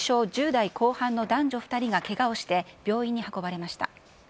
１０代後半の男女２人がけがをして、病院に運ばれました。